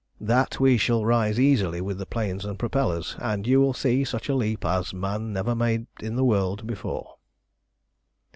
That we shall rise easily with the planes and propellers, and you will see such a leap as man never made in the world before."